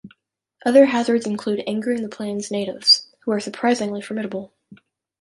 Other hazards include angering the plane's natives, who are surprisingly formidable.